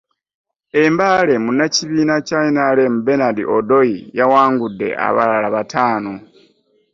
E Mbale, munnakibiina kya NRM Bernard Odoi yawangudde abalala bataano